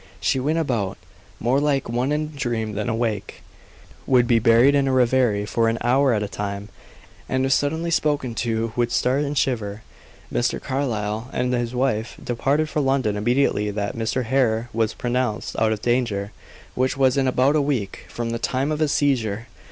She went about, more like one in a dream than awake, would be buried in a reverie for an hour at a time, and if suddenly spoken to, would start and shiver. Mr. Carlyle and his wife departed for London immediately that Mr. Hare was pronounced out of danger; which was in about a week from the time of his seizure.